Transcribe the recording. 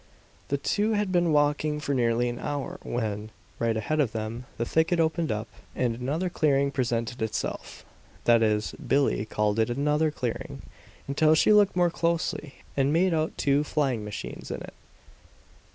The two had been walking for nearly an hour when, right ahead of them, the thicket opened up, and another clearing presented itself. That is, Billie called it another clearing, until she looked more closely and made out two flying machines in it.